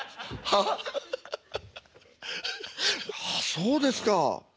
そうですか。